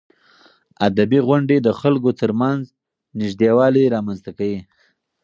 ادبي غونډې د خلکو ترمنځ نږدېوالی رامنځته کوي.